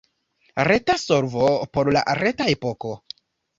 Reta solvo por la reta epoko.